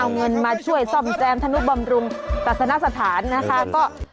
เอาเงินมาช่วยซ่อมแซมธนุบำรุงปัสนสถานนะคะ